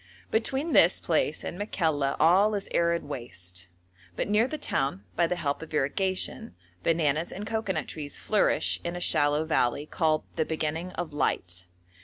Between this place and Makalla all is arid waste, but near the town, by the help of irrigation, bananas and cocoanut trees flourish in a shallow valley called 'the Beginning of Light.'